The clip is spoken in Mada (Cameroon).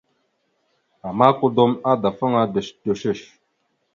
Ama, kudom adafaŋa ɗœshəɗœshœsh.